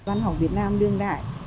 văn học việt nam đương đại